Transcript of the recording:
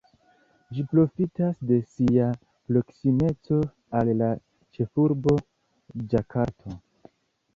Ĝi profitas de sia proksimeco al la ĉefurbo, Ĝakarto.